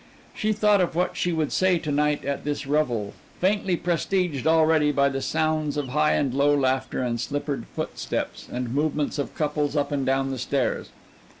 She thought of what she would say to night at this revel, faintly prestiged already by the sounds of high and low laughter and slippered footsteps, and movements of couples up and down the stairs.